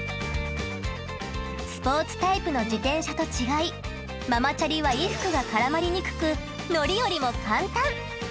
スポーツタイプの自転車と違いママチャリは衣服が絡まりにくく乗り降りも簡単！